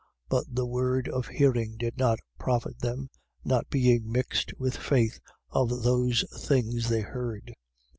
But the word of hearing did not profit them, not being mixed with faith of those things they heard.